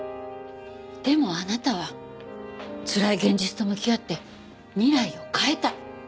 でもあなたはつらい現実と向き合って未来を変えた。